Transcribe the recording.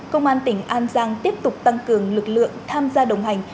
công an tỉnh an giang tiếp tục tăng cường lực lượng tham gia đồng hành